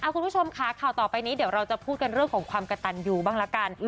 คุณผู้ชมค่ะข่าวต่อไปนี้เดี๋ยวเราจะพูดกันเรื่องของความกระตันยูบ้างละกัน